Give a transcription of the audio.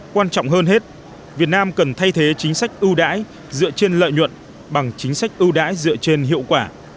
quan trọng hơn hết việt nam cần thay thế chính sách ưu đãi dựa trên lợi nhuận bằng chính sách ưu đãi dựa trên hiệu quả